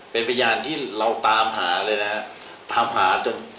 เป็นพยานที่เราตามหาเลยนะฮะตามหาจน